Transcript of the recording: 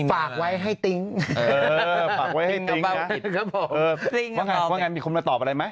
ฝากไว้ให้ตริงก็งั้นมีคุณมาตอบอะไรไหม